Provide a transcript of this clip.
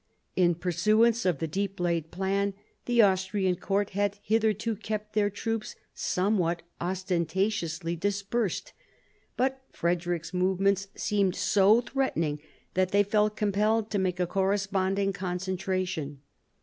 In pursuance of the deep laid plan, the Austrian court had hitherto kept their troops somewhat osten tatiously dispersed ; but Frederick's movements seemed so threatening that they felt compelled to make a corresponding concentration.